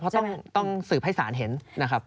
เพราะต้องสืบให้ศาลเห็นนะครับ